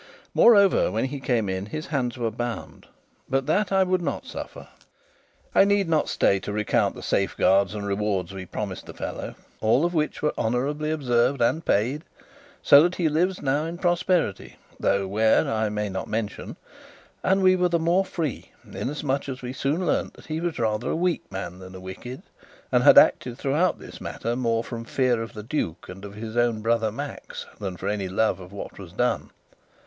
Moreover, when he came in his hands were bound, but that I would not suffer. I need not stay to recount the safeguards and rewards we promised the fellow all of which were honourably observed and paid, so that he lives now in prosperity (though where I may not mention); and we were the more free inasmuch as we soon learnt that he was rather a weak man than a wicked, and had acted throughout this matter more from fear of the duke and of his own brother Max than for any love of what was done.